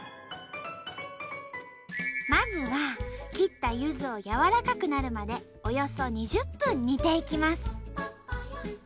まずは切ったゆずを柔らかくなるまでおよそ２０分煮ていきます。